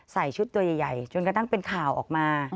ใส่ชุดตัวใหญ่จนกระทั่งเป็นข่าวออกมา